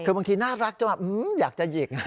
คือบางทีน่ารักจนแบบอยากจะหยิก